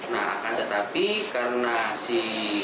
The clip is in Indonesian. nah akan tetapi karena si